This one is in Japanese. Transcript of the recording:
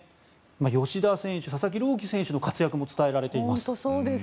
吉田選手、佐々木朗希選手の活躍も伝えられています。